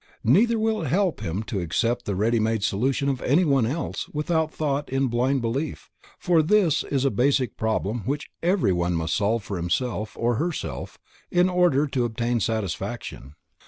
Neither will it help him to accept the ready made solution of anyone else without thought and in blind belief, for this is a basic problem which every one must solve for himself or herself in order to obtain satisfaction.